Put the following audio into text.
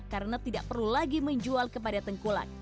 karena tidak perlu lagi menjual kepada tengkulat